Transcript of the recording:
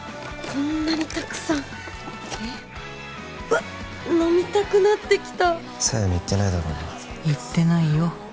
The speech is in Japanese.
こんなにたくさんえっうわっ飲みたくなってきた小夜に言ってないだろうな言ってないよ